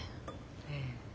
ええ。